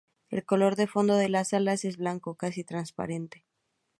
El color de fondo de las alas es blanco, casi transparente.